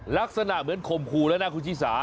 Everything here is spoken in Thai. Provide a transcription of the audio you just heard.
ลักษณะเหมือนข่มขู่แล้วนะคุณชิสา